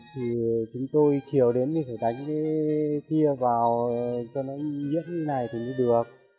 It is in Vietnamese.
thì chúng tôi chiều đến thì phải đánh cái tia vào cho nó nhiễm như thế này thì cũng được